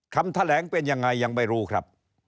คำแถลงเป็นยังไงยังไม่รู้ครับ